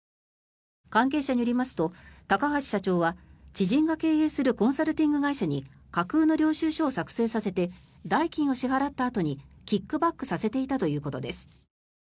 関係者によりますと高橋社長は知人が経営するコンサルティング会社に架空の領収書を作成させて代金を支払ったあとにキックバックさせていたということです。